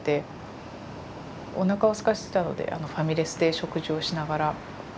おなかをすかせてたのでファミレスで食事をしながら。